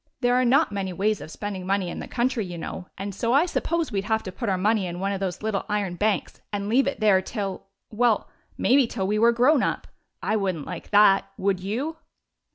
There are not many ways of spending money in the country, you know, and so I suppose we 'd have to put our money in one of those little iron hanks and leave it there till — well, maybe till we were grown up. I would n't like that. Would you